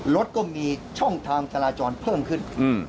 รถก็มีช่องทางจราจรเพิ่มขึ้น